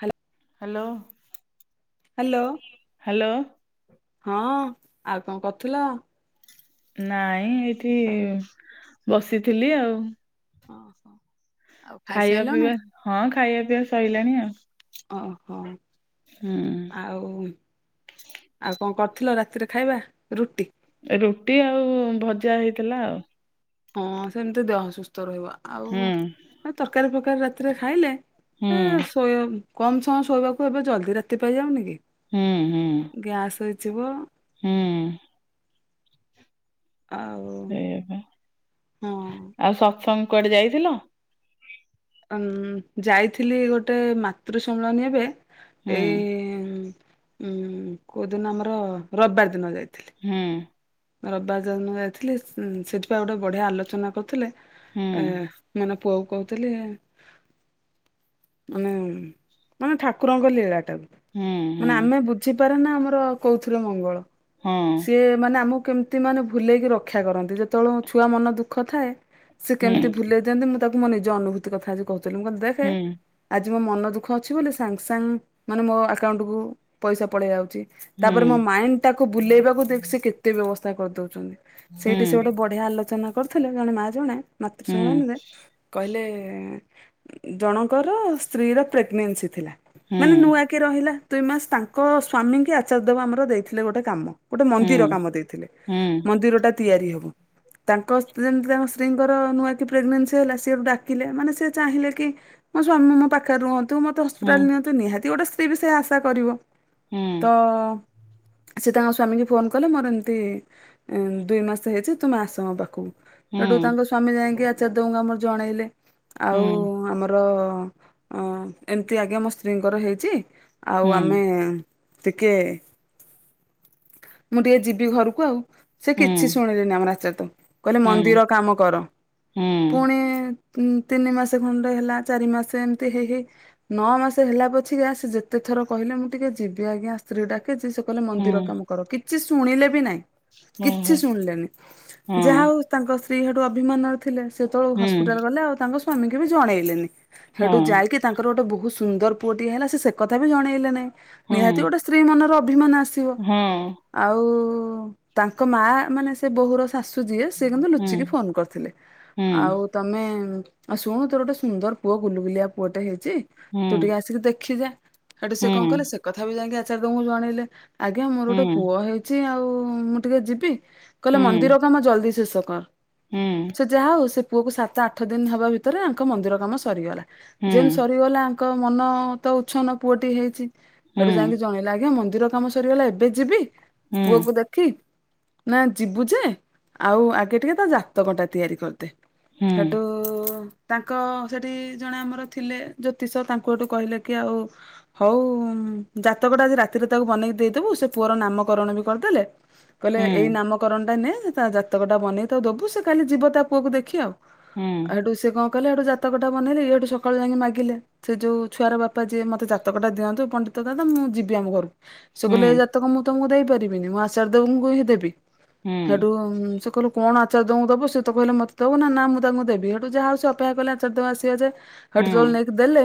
Hello. Hello. Hello. Hello. ହଁ, ଆଉ କଣ କରୁଥିଲ? ନାଇଁ ଏଇଠି ବସିଥିଲି ଆଉ। ହଁ, ହଁ। ଖାଇବା ପିଇବା, ହଁ ଖାଇବା ପିଇବା ସଇଲାଣି ଆଉ। ଅଁ ହଁ। ହୁଁ। ଆଉ ଆଉ କଣ କରିଥିଲ ରାତିରେ ଖାଇବା? ରୁଟି। ରୁଟି ଆଉ ଭଜା ହେଇଥିଲା ଆଉ। ହଁ ସେମିତି ଦେହ ସୁସ୍ଥ ରହିବ ଆଉ ହୁଁ ତରକାରୀ ଫରକାରୀ ରାତିରେ ଖାଇଲେ ହୁଁ ଏ ଶୋଇ କମ ସମୟ ଶୋଇବାକୁ, ଏବେ ଜଲଦି ରାତିପାଇ ଯାଉନି କି? ହୁଁ ଗ୍ୟାସ ହେଇଯିବ। ହୁଁ। ଆଉ ସେଇପା, ହଁ ଆଉ ସତ୍ସଙ୍ଗ କୁଆଡେ ଯାଇଥିଲ? ଉଁ ଯାଇଥିଲି ଗୋଟେ ମାତୃ ସମ୍ବିଳନୀ ଏବେ ହୁଁ ଏଇ ଉଁ କୋଉ ଦିନ ଆମର ରବିବାର ଦିନ ଯାଇଥିଲି। ହୁଁ। ରବିବାର ଦିନ ଯାଇଥିଲି। ସେଠିପା ଗୋଟେ ବଢ଼ିଆ ଆଲୋଚନା କରୁଥିଲେ ହୁଁ ଏ ପୁଅକୁ କହୁଥିଲି ମାନେ ମାନେ ଠାକୁରଙ୍କ ଲୀଳା। ତାକୁ ହୁଁ ହୁଁ ମାନେ ଆମେ ବୁଝିପାରେନା ଆମର କୋଉଥିରେ ମଙ୍ଗଳ। ହଁ। ସେ ମାନେ ଆମକୁ କେମିତି ମାନେ ଭୁଲେଇକି ରକ୍ଷା କରନ୍ତି, ଯେତେବେଳେ ଛୁଆ ମନ ଦୁଃଖ ଥାଏ ସେ ହୁଁ କେମିତି ଭୁଲେଇ ଦିଅନ୍ତି ମୁଁ ତାକୁ ମୋ ନିଜ ଅନୁଭୂତି କଥା କହୁଥିଲି। ମୁଁ କହିଲି ଦେଖେ ହୁଁ ଆଜି ମୋ ମନ ଦୁଃଖ ଅଛି ବୋଲି ସାଙ୍ଗ ସାଙ୍ଗ ମାନେ ମୋ ଆକାଉଣ୍ଟ କୁ ପଇସା ପଳେଇ ଆଉଛି। ତାପରେ ମୋ ହୁଁ ମାଇଣ୍ଡ ଟାକୁ ବୁଲେଇବାକୁ ସେ କେତେ ବ୍ୟବସ୍ଥା କରିଦଉଚନ୍ତି। ସେଇଠି ସେ ସେଠି ହୁଁ ଗୋଟେ ବଢ଼ିଆ ଆଲୋଚନା କରିୁଥିଲେ ଜଣେ ମା ଜଣେ ମାତୃ ହୁଁ ସମ୍ମଳନୀରେ କହିଲେ ଜଣଙ୍କର ସ୍ତ୍ରୀ ର ପ୍ରେଗନେନ୍ସି ଥିଲା ମାନେ ହୁଁ ନୂଆ କି ରହିଲା ଦୁଇ ମାସ ତାଙ୍କ ସ୍ଵାମୀ କି ଆଚାର୍ଯ୍ୟ ଦେବ ଆମର ଦେଇଥିଲେ ଗୋଟେ କାମ ଗୋଟେ ହୁଁ ମନ୍ଦିର ହୁଁ କାମ। ହୁଁ ହୁଁ ହୁଁ ହୁଁ ମନ୍ଦିର ଟା ତିଆରି ହବ। ତାଙ୍କ ସେ ଯେମିତି ତାଙ୍କ ସ୍ତ୍ରୀଙ୍କର ନୂଆ କି ପ୍ରେଗନେନ୍ସି ହେଲା ସିଏ ଡାକିଲେ, ମାନେ ସିଏ ଚାହିଁଲେ କି ମୋ ସ୍ବାମୀ ମୋ ପାଖରେ ରୁହ ତୁ ମୋତେ ହସ୍ପିଟାଲ ନିଅନ୍ତୁ ନିହାତି ଗୋଟେ ସ୍ତ୍ରୀ ବି ସେ ଆଶା କରିବ ତ ସେ ତାଙ୍କ ସ୍ଵାମୀ କି ଫୋନ୍ କଲେ ମୋର ଏମିତି ଦୁଇ ମାସ ହେଇଚି ତୁମେ ଆସ ମୋ ପାଖକୁ ସେଠୁ ତାଙ୍କ ସ୍ଵାମୀ ଯାଇକି ଆଚାର ଦଉଙ୍କୁ ଆମର ଜଣେଇଲେ ଆଉ ହୁଁ ଆମର ର ଅ ଏମିତି ଆଜ୍ଞା ମୋ ସ୍ତ୍ରୀଙ୍କର ହେଇଚି ଆଉ ଆମେ ଟିକେ ମୁଁ ଟିକେ ଯିବି ଘରକୁ ଆଉ। ସେ ହୁଁ କିଛି ଶୁଣିଲେନି ଆମର ଆଚାର୍ଯ୍ୟ କହିଲେ ହୁଁ ମନ୍ଦିର କାମ କର ହୁଁ ପୁଣି ଉ ତିନି ମାସେ ଖଣ୍ଡେ ହେଲା ଚାରି ମାସେ ଏମିତି ହେଇ ହେଇ ନଅ ମାସ ହେଲା ପଛିକା ସେ ଯେତେ ଥର କହିଲେ ମୁଁ ଟିକେ ଯିବି ଆଜ୍ଞା ସ୍ତ୍ରୀ ଡାକିଚି ସେ କହିଲେ ମନ୍ଦିର ହୁଁ କାମ କର କିଛି ଶୁଣିଲେ ବି ନାଇଁ। କିଛି ଓହୋ ଶୁଣିଲେନି ହଁ ଯାହା ହଉ ତାଙ୍କ ସ୍ତ୍ରୀ ହେଠୁ ଅଭିମାନର ଥିଲେ ସେତେବେଳେ ହଁ ହସ୍ପିଟାଲ୍ ଗଲେ ଆଉ ତାଙ୍କ ସ୍ଵାମୀ ବି ଜଣେଇଲେନି ହଁ ସେଠୁ ଯାଇକି ତାଙ୍କର ଗୋଟେ ବହୁତ୍ ସୁନ୍ଦର ପୁଅଟିଏ ହେଲା ସେ କଥା ବି ଜଣେଇଲେ ନାଇଁ। ନିହାତି ଗୋଟେ ସ୍ତ୍ରୀ ମନର ଅଭିମାନ ଆସିବ। ହୁଁ। ଆଉ ତାଙ୍କ ମା ମାନେ ସେ ବୋହୁର ଶାଶୁ ଯିଏ ସିଏ କିନ୍ତୁ ହଁ ଲୁଚିକି ଫୋନ୍ କରିଥିଲେ ଆଉ ତମେ ଆଉ ଶୁଣୁ ତୋର ଗୋଟେ ସୁନ୍ଦର ପୁଅ ଗୁଲୁ ଗୁଲିଆ ପୁଅଟେ ହେଇଚି ହଁ ହଁ ହଁ ତୁ ଟିକେ ଆସିକି ଦେଖି ଯା ସେଠୁ ହଁ ହଁ ସେ କଣ କଲେ ସେ କଥା ବି ଯାଇକି ଆଚାର୍ଯ୍ୟ ଙ୍କୁ ଜଣେଇଲେ ଆଜ୍ଞା ମୋର ହଁ ହଁ ହଁ ହଁ ହଁ ହଁ ହଁ ଗୋଟେ ପୁଅ ହେଇଚି ଆଉ ମୁଁ ଟିକେ ଯିବି କହିଲେ ହଁ ମନ୍ଦିର କାମ ଜଲଦି ଶେଷ କର ସେ ଯାହା ହଉ ଠୁ ସେ ପୁଅକୁ ସାତ ଆଠ ଦିନ ହବା ଭିତରେ ଆଙ୍କ ମନ୍ଦିର କାମ ସରିଗଲା ଯେମତି ସରିଗଲା ଙ୍କ ମନ ତ ଉଛନ ପୁଅଟି ହେଇଛି ସେଠୁ ହଁ ଯାଇକି ଜଣେଇଲା ଆଜ୍ଞା ମନ୍ଦିର କାମ ସରିଗଲା ଏବେ ଯିବି ପୁଅକୁ ଦେଖ କି ନା ଯିବୁ ଯେ ଆଉ ଆଗେ ଟିକେ ତା ଜାତକଟା ତିଆରି କରିଦେ। ହେଟୁ ତାଙ୍କ ସେଠି ଜଣେ ଆମର ଥିଲେ ଜ୍ୟୋତିଷ ତାଙ୍କୁ ହେଟୁ କହିଲେ କି ଆଉ ହଉ ଜାତକଟା ଆଜି ରାତିରେ ତାକୁ ବନେଇକି ଦେଇଦବୁ ସେ ପୁଅର ନାମକରଣ ବି କରିଦେଲେ। କହିଲେ ଏଇ ନାମକରଣ ଟା ନେ ତା ଜାତକଟା ବନେଇ ତା ଦବୁ ସେ କାଲି ଯିବ ତା ପୁଅକୁ ଦେଖି ଆଉ। ହେଠୁ ସେ କଣ କଲେ ସେଠୁ ଜାତକଟା ବନେଇଲେ ହେଇଠୁ ସକାଳୁ ଯାଇକି ମାଗିଲେ। ସେ ଯୋଉ ଛୁଆର ବାପା ଯିଏ ମତେ ଜାତକଟା ଦିଅନ୍ତୁ ପଣ୍ଡିତ ଦାଦା ମୁଁ ଯିବି ଆମ ଘରକୁ। ସେ କହିଲେ ଏ ଜାତକ ମୁଁ ତମକୁ ଦେଇପାରିବିନି ମୁଁ ଅର୍ଚଯ୍ୟ ଙ୍କୁ ହିଁ ଦେବି। ସେଠୁ ସେ କହିଲେ କଣ ଅର୍ଚାଯ୍ୟ ଙ୍କୁ ଦବୁ ସେ ତ କହିଲେ ମତେ ଦବୁ ନା ମୁଁ ତାଙ୍କୁ ମୁଁ ଦେବି। ହେଟୁ ଯାହା ହଉ ସେ ଅପେକ୍ଷା କଲେ ଅର୍ଚାଯ୍ୟ ଆସିବା ଯାଏଁ। [unintelligible] ଦେଲେ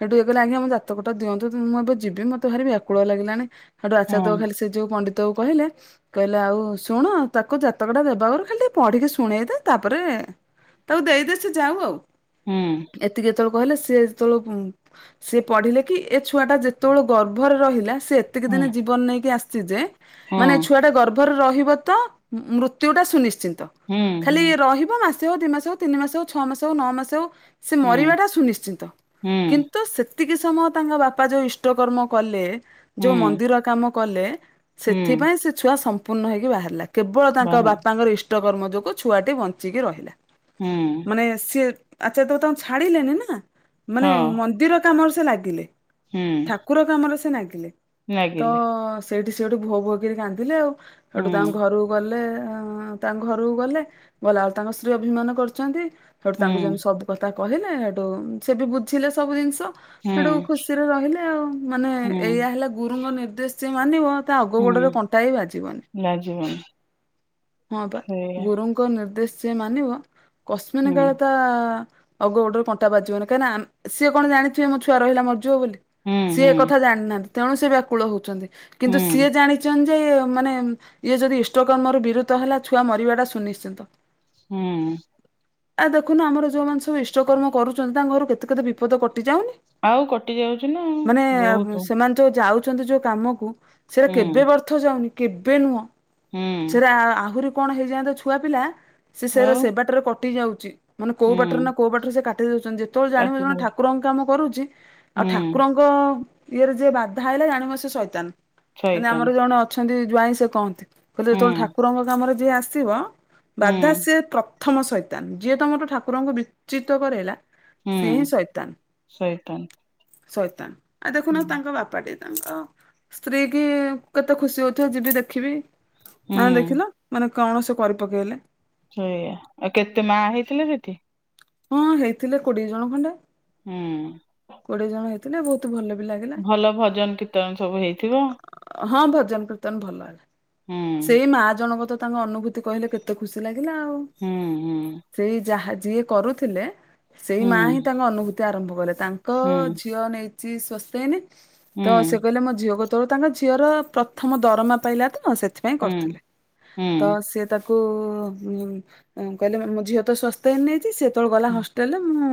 ହେଟୁ ଇଏ କହିଲେ ଆଜ୍ଞା ଆମ ଜାତକଟା ଦିଅନ୍ତୁ ମୁଁ ଏବେ ଯିବି ମତେ ଭାରି ବ୍ୟାକୁଳ ଲାଗିଲାଣି। ହେଟୁ ଅର୍ଚାଯ୍ୟ ଖାଲି ସେ ଯୋଉ ପଣ୍ଡିତ କୁ କହିଲେ। କହିଲେ ଆଉ ଶୁଣ ତାକୁ ଜାତକ ଟା ଦେବା ଆଗରୁ ଖାଲି ଟିକେ ପଢିକି ଶୁଣେଇଦେ ତାପରେ ତାକୁ ଦେଇଦେ ସେ ଯାଉ ଆଉ। ହୁଁ। ଏତିକି ଯେତେବେଳେ କହିଲେ ସିଏ ଯେତେବେଳକୁ ସେ ପଢିଲେ କି ଏ ଛୁଆ ଟା ଯେତେବେଳେ ଗର୍ଭରେ ରହିଲା ସେ ଯେତିକି ଦିନି ଜୀବନ ନେଇକି ଆସିଛି ଯେ ଛୁଆ ଟା ଗର୍ଭରେ ରହିବ ତ ମୃତ୍ୟୁ ଟା ସୁନିଶ୍ଚିତ ଖାଲି ରହିବ ମା ମାସେ ଆଉ ଦି ମାସେ ହୋଉ, ତିନି ମାସେ ହୋଉ, ଛଅ ମାସେ ହୋଉ, ନଅ ମାସେ ହୋଉ ସେ ମରିବାଟା ସୁନିଶ୍ଚିତ କିନ୍ତୁ ସେ ସେତିକି ସମୟ ତାଙ୍କ ବାପା ଯୋଉଁ ଇଷ୍ଟକର୍ମ କଲେ ଯୋଉଁ ମନ୍ଦିର କାମ କଲେ। ଏଥିପାଇଁ ସେ ଛୁଆ ସମ୍ପୂର୍ଣ୍ଣ ହୋଇକି ବାହାରିଲା କେବଳ ତାଙ୍କ ବାପାଙ୍କର ଇଷ୍ଟ ଇଷ୍ଟ କର୍ମ ଯୋଗୁଁ ଛୁଆଟି ବଞ୍ଚିକି ରହିଲା ହଁ ମାନେ ସିଏ ଆଚାର୍ୟ ତ ତାଙ୍କୁ ଛାଡିଲେନି ନା ମାନେ ମନ୍ଦିର କାମରେ ସେ ଲାଗିଲେ। ହୁଁ। ଠାକୁର କାମରେ ସେ ନାଗିଲେ ତ ସେଇଠି ସେ ହେଠୁ ଭୋ ଭୋ କରି କାନ୍ଦିଲେ ଆଉ। ହେଠୁ ହୁଁ ତାଙ୍କ ଘରୁ ଗଲେ ତାଙ୍କ ଘରକୁ ଗଲେ ଗଲା ବେଳକୁ ତାଙ୍କ ସ୍ତ୍ରୀ ଅଭିମାନ କରୁଛନ୍ତି। ହେଠୁ ହୁଁ ତାଙ୍କୁ ଯେମିତି ସବୁ କଥା କହିଲେ ହେଠୁ ସେ ବି ବୁଝିଲେ ସବୁ ଜିନିଷ। ହୁଁ ହେଠୁ ଖୁସିରେ ରହିଲେ ଆଉ ମାନେ ହୁଁ ଏଇଆା ହେଲା ଗୁରୁଙ୍କ ନିର୍ଦ୍ଦେଶ ଯିଏ ମାନିବ ତା ଅଗ ହୁଁ ଗୋଡରେ କଣ୍ଟା ବି ବାଜିବନି ଲାଗିବନି ହଁ ପା ସେଇଆ ଗୁରୁ ଙ୍କ ନିର୍ଦ୍ଦେଶ ଯିଏ ମାନିବ କଶମିିନ ହୁଁ କାଳେ ତା ଅଗ ଗୋଟରେ କଣ୍ଟା ବାଜିବ ନାହିଁ କାହିଁ ନାଁ ସିଏ କଣ ଜାଣିଥିବେ ମୋ ଛୁଆ ରହିଲା ମର ବୋଲି ହୁଁ ସିଏ ହୁଁ ଏକଥା ଜାଣିନାହାନ୍ତି ତେଣୁ ସେ ବ୍ୟାକୁଳ ହଉଛନ୍ତି କିନ୍ତୁ ହୁଁ ସିଏ ଜାଣି ଜାଣିଛନ୍ତି ଯେ ମାନେ ଇଏ ଯଦି ଇଷ୍ଟକର୍ମର ବିରୁତ ହେଲା ଛୁଆ ମରିବାଟା ସୁନିଶ୍ଚିତ। ହୁଁ। ଆ ଦେଖୁନ ଆମର ଯୋଉମାନେ ସବୁ ଇଷ୍ଟକର୍ମ କରୁଛନ୍ତି ତାଙ୍କ ଘରୁ କେତେ କେତେ ବିପଦ କଟିଯାଉନି। ଆଉ କଟି ଯାଉଛି ନା ବହୁତ। ତୋ ଯୋଉ ଯାଉଛନ୍ତି ଯୋଉ କାମକୁ ସେରା ହୁଁ କେବେ ବ୍ୟର୍ଥ ଯାଉନି କେବେ ନୁହଁ। ହୁଁ ସେରା ଆହୁରି କଣ ହେଇଯାଆନ୍ତେ ଛୁଆ ପିଲା ସେ ସେରା ଆଉ ସେବାଟରେ କଟି ଯାଉଛି। ମାନେ କୋଉ ହୁଁ ବାଟରେ ନା କୋଉ ବାଟରେ ସେ କାଟି ଦଉଛନ୍ତି ଯେତେବେଳେ ଜାଣିବ କାଟି ଜଣେ ଦଉଛି ଠାକୁରଙ୍କ କାମ କରୁଛି ଆଉ ହୁଁ ଠାକୁରଙ୍କ ତାଙ୍କ ଇଏରେ ଯିଏ ବାଧା ଆଇଲା ଜାଣିବ ସିଏ ସଇତାନ। ମାନେ ଆମର ଶଇତାନ ଜଣ ଅଛନ୍ତି ଜୁଆାଇଁ ସେ କହନ୍ତି କହିଲେ ହୁଁ ଯେତେବେଳେ ଠାକୁରଙ୍କ କାମରେ ଯିଏ ଆସିବ ହୁଁ ବାଧା ସିଏ ପ୍ରଥମ ସୈତାନ ଯିଏ ତମଠୁ ଠାକୁରଙ୍କୁ ବିଚ୍ୟୁତ କରାଇଲା। ହୁଁ ସିଏ ହିଁ ଶୈତାନ ଶଇତାନ ଶୈତାନ ଆ ହୁଁ ଦେଖୁନ ତାଙ୍କ ବାପାଟେ ତାଙ୍କ ସ୍ତ୍ରୀ କି କେତେ ଖୁସି ହଉଥିବେ ଯିବି ଦେଖିବି। ମାନେ ହୁଁ ଦେଖିଲ ମାନେ କଣ ସେ କରି ପକେଇଲେ। ସେଇଆ ଆଉ କେତେ ମା ହେଇଥିଲେ ସେଠି। ହଁ ହେଇଥିଲେ କୋଡିଏ ଜଣ ଖଣ୍ଡେ। ହୁଁ। କୋଡିଏ ଜଣ ହେଇଥିଲେ ବହୁତ ଭଲ ବି ଲାଗେ। ଭଲ ଭଜନ କୀର୍ତ୍ତନ ସବୁ ହେଇଥିବ। ହଁ ଭଜନ କୀର୍ତ୍ତନ ଭଲେ ହୁଁ ସେଇ ମା ଜଣକ ତ ତାଙ୍କ ଅନୁଭୂତି କହିଲେ କେ ମତେ ଖୁସି ଲାଗିଲା ଆଉ ହୁଁ ହୁଁ ସେଇ ଯାହା ଯିଏ କରୁଥିଲେ। ସେଇ ହୁଁ ମା ହିଁ ତାଙ୍କ ଅନୁଭୂତି ଆରମ୍ଭ କଲେ ତାଙ୍କ ହୁଁ ଝିଅ ନେଇଚି ସୁସ୍ଥ ହେଇନି। ହୁଁ ତ ସେ କହିଲେ ମୋ ଝିଅକୁ ତୋ ତାଙ୍କ ଝିଅର ପ୍ରଥମ ଦରମା ପାଇଲା ତ ସେ ସେଥିପାଇଁ ହୁଁ କରୁଥିଲେ ହୁଁ ତ ସେ ତାକୁ କହିଲେ ମୋ ଝିଅ ତ ସ୍ୱସ୍ତିନ ନେଇ ଯେତେବେଳେ ଗଲା ହଷ୍ଟେଲରେ ମୁଁ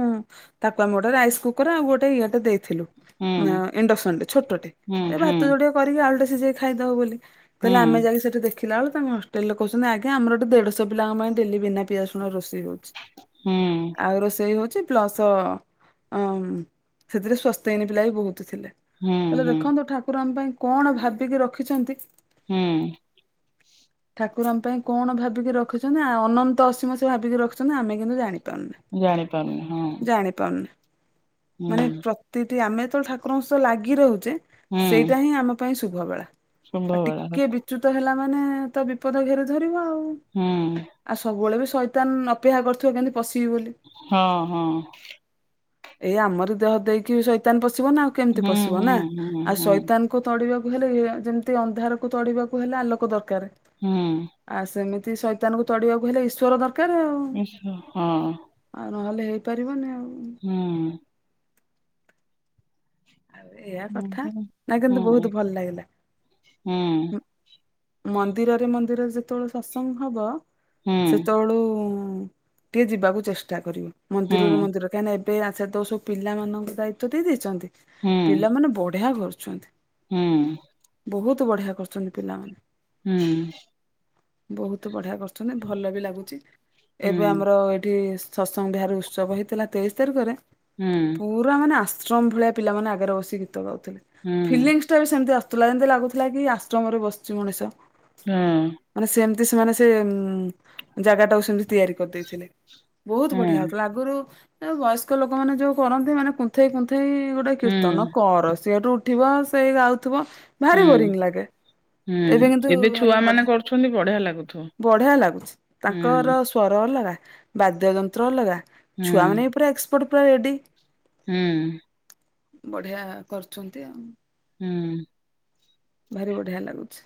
ତାକୁ ଆମେ ଗୋଟେ ରାଇସ୍ କୁକର ଆଉ ଗୋଟେ ଇଏଟେ ଦେଇଥିଲୁ। ହୁଁ ଇଣ୍ଡକ୍ସନଟେ ଛୋଟେ ହୁଁ ଏ ହୁଁ ହୁଁ ହୁଁ ଭାତ ଯୋଡିଏ କରିକି ଆଳୁଟେ ସିଝେଇ ଖାଇଦବ ବୋଲି। କହିଲେ ଆମେ ଯାଇକି ସେଠି ଦେ ଦେଖିଲା ଏଳକୁ ତାଙ୍କ ହଷ୍ଟେଲରେ କହୁ ଆଜ୍ଞା ଆମର ଏଠି ଦେଢଶହ ପିଲାଙ୍କ ପାଇଁ ଡେଲି ବିନା ପିଆଜ ରସୁଣ ରୋଷେଇ ହଉଛି। ହୁଁ। ଆଉ ରୋଷେଇ ହଉଛି ପ୍ଲସ ସେଥିରେ ସ୍ବାସ୍ତିନ ପିଲା ବି ବହୁତ ଥିଲେ। ହୁଁ କହିଲେ ହୁଁ ଦେଖନ୍ତୁ ଠାକୁର ଆମ ପାଇଁ କଣ ଭାବିକି ରଖିଛନ୍ତି। ହୁଁ। [inaudible] ଠାକୁର ଆମ ପାଇଁ କଣ ଭାବିକି ରଖୁଛନ୍ତି ଅନନ୍ତ ଅସୀମ ସେ ଭାବିକି ରଖୁଛନ୍ତି ଆମେ କିନ୍ତୁ ଜାଣି ପରୁନେ ଜାଣିପାରୁନି ହଁ ଜାଣିପାରୁନେ। ମାନେ ହୁଁ ପ୍ରତିଟି ଆମେତ ଠାକୁରଙ୍କ ସହ ଲାଗି ରହୁଛେ ହୁଁ ସେଇଟା ହିଁ ଆମ ପାଇଁ ଶୁଭ ବେଳା ଶୁମ୍ଭ ଆଉ ବେଳା ଟିକେ ବିଚ୍ୟୁତ ହେଲା ମାନେ ତ ବିପଦ ଘେରି ଧରିବ ଆଉ। ହୁଁ। ଆଉ ସବୁବେଳେ ବି ଶଇତାନ ଅପେକ୍ଷା କରିଥିବ କେମିତି ପଶିବି ବୋଲି। ହଁ ହଁ। ଏଇ ଆମରି ଦେହ ଦେଇକି ଶୈତାନ ପଶିବ ନା ଆଉ କେମିତି ହୁଁ ପଶିବ ହୁଁ ନା ହୁଁ ଆଉ ହୁଁ ଶୈତାନ କୁ ତଡିବାକୁ ହେଲେ ଇଏ ଯେମିତି ଅନ୍ଧାରକୁ ତଡିବାକୁ ହେଲେ ଆଲୋକ ଦରକାର। ହୁଁ। ଆଉ ସେମିତି ଶୈତାନଙ୍କୁ ତଡିବାକୁ ହେଲେ ଈଶ୍ୱର ଦରକାର ଆଉ। ଇସ ହଁ। ଆଉ ନହେଲେ ହେଇପାରିବନି ଆଉ। ହୁଁ। ଏଇଆ କଥା ହୁଁ ଆ କିନ୍ତୁ ହୁଁ ବହୁତ ଭଲ ଲାଗିଲା। ହୁଁ ମନ୍ଦିରରେ ମନ୍ଦିରରେ ଯେତେବେଳେ ସତ୍ସଙ୍ଗ ହବ। ହୁଁ ସେତେବେଳୁ ଟିକେ ଯିବାକୁ ଚେଷ୍ଟା କରିବ ହୁଁ ମନ୍ଦିରରେ ମନ୍ଦିର କାହିଁକି ନା ଏବେ ଆ ସେତେବେଳେ ସବୁ ପିଲାମାନଙ୍କୁ ଦାୟିତ୍ଵ ଦେଇ ଦେଇଛନ୍ତି, ହୁଁ ହୁଁ ପିଲାମାନେ ବଢିଆ କରୁଛନ୍ତି। ହୁଁ। ବହୁତ ବଢିଆ କରୁଛନ୍ତି ପିଲାମାନେ। ହୁଁ। ବହୁତ ବଢିଆ କରୁଛନ୍ତି, ଭଲ ବି ଲାଗୁଛି। ହଁ ଏବେ ଆମର ଏଇଠି ସତ୍ସଙ୍ଗ ବିହାର ଉତ୍ସବ ହେଇଥିଲା ତେଇଶ ତାରିଖରେ ହୁଁ। ପୁରା ମାନେ ଆଶ୍ରମ ଭଳିଆ ପିଲାମାନେ ଆଗରେ ବସି ଗୀତ ଗାଉଥିଲେ। ଫିଲିମ୍ ସେମିତି ଆସୁଥିଲା ଯେମିତି ଲାଗୁଥିଲା କି ଆଶ୍ରମରେ ବସିଛି ମଣିଷ। ହୁଁ। ମାନେ ସେମିତି ସେମାନେ ସେଇ ଜାଗାଟାକୁ ସେମିତି ତିଆରି କରିଦେଇଥିଲେ। ବହୁତ ବଢିଆ ହଉଥିଲା ଆଗରୁ ବୟସ୍କ ଲୋକମାନେ ଯୋଉ କରନ୍ତି ମାନେ କୁନ୍ଥେଇ କୁନ୍ଥେଇ ଗୋ ଗୋଟେ ହୁଁ ହୁଁ କୀର୍ତ୍ତନ କର ସିଏଠୁ ଉଠିବ ସେଇ ଗାଉଥିବ ଭାରି ବୋରିଙ୍ଗ ହୁଁ ଲାଗେ। ଏଇଟା କିନ୍ତୁ ଏବେ ଭାରି ଛୁଆ ମାନେ ବଢିଆ କରୁଛନ୍ତି ବଢିଆ ଲାଗୁଥିବ ବଢିଆ ଲାଗୁଛି ତାଙ୍କର ହୁଁ ସ୍ୱର ଅଲଗା ବାଦ୍ୟଯନ୍ତ୍ର ଅଲଗା ହୁଁ ଛୁଆ ମାନେବି ପୁରା ଏକ୍ସପର୍ଟ ପୁରା ରେଡି। ହୁଁ। ବଢିଆ କରୁଛନ୍ତି ଆଉ। ହୁଁ। ଭାରି ବଢିଆ ଲାଗୁଛି।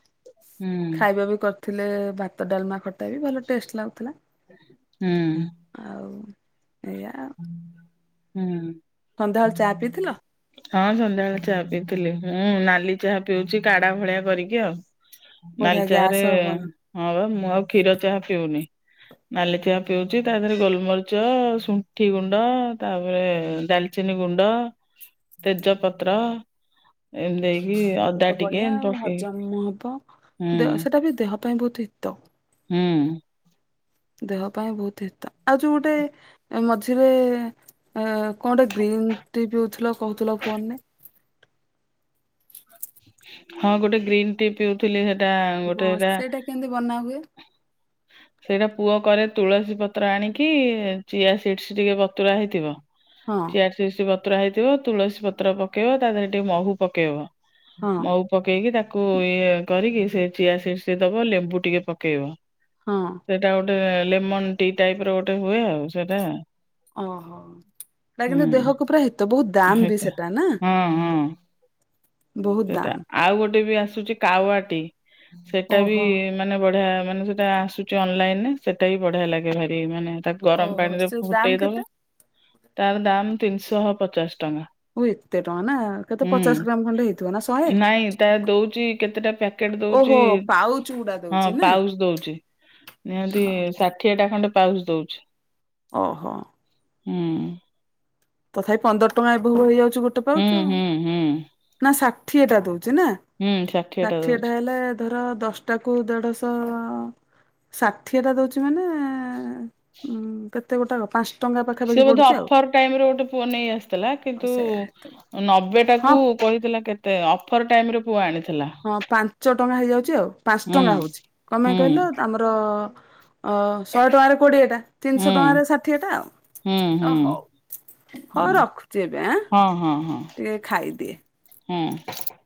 ହୁଁ ଖାଇବା ବି କ ଥିଲେ ଭାତ ଡାଲମା ଖଟାବି ଭଲ ଟେଷ୍ଟ ଲାଗୁଥିଲା। ହୁଁ। ଆଉ ଏଇୟା। ହୁଁ। ସନ୍ଧ୍ୟାବେଳେ ଚାହା ପିଇଥିଲ। ହଁ ସନ୍ଧ୍ୟାବେଳେ ଚାହା ପିଇଥିଲି ମୁଁ ନାଲି ଚାହା ପିଉଛି କାଢା ଭଳିଆ କରିକି ଆଉ। ବଢିଆ ନାଲି ଗ୍ୟାସ୍ ଚାହାରେ ହବନି ହଁବା ମୁଁ ଆଉ କ୍ଷୀର ଚାହା ପିଉନି। ନାଲି ଚାହା ପିଉଛି ତା ଦେହରେ ଗୋଲମରିଚ ସୁ କି ଗୁଣ୍ଡ ତାପରେ ଡାଲଚିନି ଗୁଣ୍ଡ ତେଜପତ୍ର। ଏନେକ୍। ସେଟା ବଢିଆ ହଜମ ହବ ହୁଁ ଦେହ ସେଟା ବି ଦେହ ପାଇଁ ବହୁତ ହିତ। ହୁଁ। ଦେହ ପାଇଁ ବହୁତ ହିତ ଆଉ ଯୋଉ ଗୋଟେ ଏ ମଝିରେ ଇଁ କଣ ଗୋଟେ ଗ୍ରୀନ୍ ଟି ପିଉଥିଲ କହୁଥିଲ ଫୋନ ରେ। [inaudible] ହଁ ଗୋଟେ ଗ୍ରୀନ୍ ଟି ପିଉଥିଲି ସେଟା ଗୋଟେ ହଁ ହେଟା ସେଇଟା କେମିତି ବନାହୁଏ? ସେଇଟା ପୁଅ କରେ ତୁଳସୀ ପତ୍ର ଆଣିକି ଚିଆ ସିଡିସ୍ ଟିକେ ବତୁରା ହେଇଥିବ। ହଁ ଚ଼ିଆ ସିଡିସ୍ ବତୁରା ହେଇଥିବ ତୁଳସୀ ପତ୍ର ପକେଇବ ତା ଦେହରେ ଟିକେ ମହୁ ପକେଇବ। ହଁ ମହୁ ପକେଇକି ତାକୁ ଇଏ କରିକି ସେ ଚିଆ ସିଡିସ୍ ଦବ ଲେମ୍ବୁ ଟିକେ ପକେଇବ। ହଁ। ସେଇଟା ଗୋଟେ ଲେମନ ଟି ଟାଇପର ଗୋଟେ ହୁଏ ଆଉ ସେଇଟା। ଓହୋ ସେଇଟା କିନ୍ତୁ ହୁଁ ଦେହକୁ ପୁରା ହିତ ବହୁତ ଦାମବି ସେଇଟା ସେଟା ନା। ହଁ ହଁ ବହୁତ ସେଇଟା ଦାମ। ଆଉ ଗୋଟେବି ଆସୁଛି କାୱାଟି ସେଟାବି ଓହୋ ମାନେ ବଢିଆ ମାନେ ସେଟା ଆସୁଛି ଅନଲାଇନରେ ସେଟାବିି ବଢିଆ ଲାଗେ ଭାରି ମାନେ ତା। ଗରମ ଓହୋ ପାଣିରେ ସେ ଦାମ କେତେ? ଫୁଟେଇଦବ ତାର ଦାମ ତିନିଶହ ପଚାଶ ଟଙ୍କା। ଓ ଏତେ ଟଙ୍କାନା କେତେ ହୁଁ ପଚାଶ ଗ୍ରାମ ଖଣ୍ଡେ ହେଇ ନାଇଁ ତା ଦଉଛି କେତେଟା ପ୍ୟାକେଟ ଓହୋ ଦଉଛି ପାଉଚ ଗୁଡା ହଁ ଦଉଛି ନା। ପାଉଜ ଦଉଛି ନିହାତି ଷାଠିଏଟା ଖଣ୍ଡେ ପାଉଜ୍ ଦଉଛି। ଓହୋ। ହୁଁ। ତଥାପି ପନ୍ଦର ଟଙ୍କା ଏବେ ହେଇଯାଉଛି ଗୋଟେ ହୁଁ ପାଉଚୁ ହୁଁ ହୁଁ ନା ଷାଠିଏଟା ଦଉଛି ନା। ହୁଁ ଷାଠିଏ ଟା ଷାଠିଏଟା ଦଉଛି ହେଲେ ଧର ଦଶଟାକୁ ଦେଢଶହ ଷାଠିଏଟା ଦଉଛି ମାନେ ଉଁ କେତେ ଗୋଟାକ ପାଞ୍ଚ ଟଙ୍କା ପାଖାପାଖି ସେ ବୋଧେ ପଡୁଛି ଆଉ ଅଫର ଟାଇମରେ ଗୋଟେ ପୁଅ ନେଇ ଆସିଥିଲା ହଁ କିନ୍ତୁ ସେଇଆ ହେଇଥିବ ନବେ ହଁ ଟାକୁ କହିଥିଲା କେତେ ଅଫର୍ ଟାଇମରେ ପୁଅ ଆଣିଥିଲା। ହଁ ପାଞ୍ଚଟଙ୍କା ହେଇଯାଉଛି ଆଉ ପାଞ୍ଚ ହୁଁ ଟଙ୍କା ହଉଛି କଣ ପାଇଁ ହୁଁ କହିଲ ଆମର ର ଅଁ ଶହେ ଟଙ୍କାରେ କୋଡିଏଟା। ହୁଁ ତିନିଶହ ଟଙ୍କାରେ ଷାଠିଏଟା ହୁଁ ହୁଁ ଆଉ ହଉ ହୁଁ ହଉ ରଖୁଛି ଏବେ ଆଁ। ହଁ ହଁ ହଁ ଟିକେ ଖାଇଦିଏ। ହୁଁ।